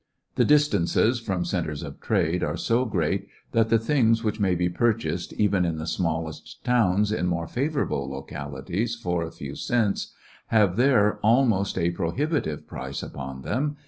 The distances from centres of trade are so great that the things which may be purchased even in the smallest towns in more favorable locali ties for a few cents have there almost a pro 163 ^ecoCCections of a hibitive price upon them.